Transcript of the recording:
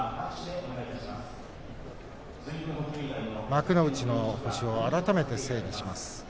幕内の星を改めて整理します。